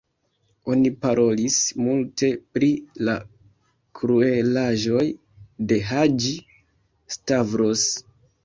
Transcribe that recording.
Oni parolis multe pri la kruelaĵoj de Haĝi-Stavros.